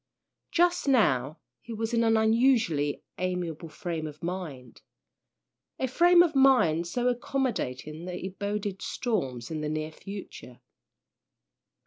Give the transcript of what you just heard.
Just now he was in an unusually amiable frame of mind, a frame of mind so accommodating that it boded storms in the near future.